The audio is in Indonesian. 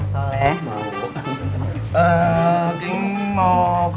lu sholat di kamar